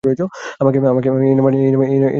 আমাকে এই নামে ডাকাটা তোমার ঠিক হচ্ছে না।